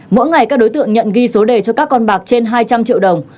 mỗi ngày các đối tượng nhận ghi số đề cho các con bạc trên hai trăm linh triệu đồng